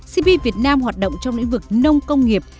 cp việt nam hoạt động trong lĩnh vực nông công nghiệp